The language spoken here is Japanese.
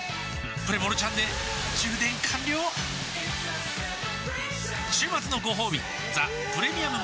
プレモルちゃんで充電完了週末のごほうび「ザ・プレミアム・モルツ」